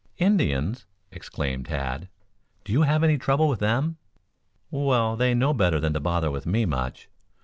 "Indians!" exclaimed Tad. "Do you have any trouble with them?" "Well, they know better than to bother with me much.